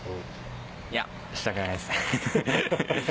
いやしたくないですねヘヘヘ。